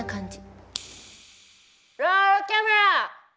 ロールキャメラ！